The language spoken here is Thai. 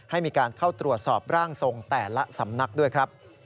ให้มีการเข้าตรวจสอบร่างทรงแต่ละสำนักด้วยครับ